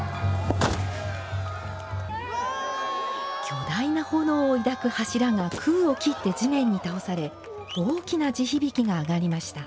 巨大な炎を抱く柱が空を切って地面に倒され大きな地響きが上がりました。